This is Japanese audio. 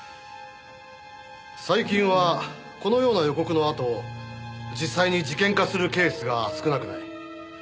最近はこのような予告のあと実際に事件化するケースが少なくない。